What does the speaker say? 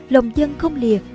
lòng dân không lìa